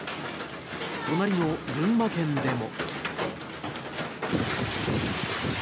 隣の群馬県でも。